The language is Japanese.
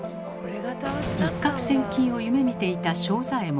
一獲千金を夢みていた正左衛門。